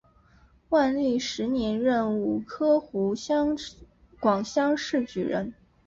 万历十年壬午科湖广乡试举人。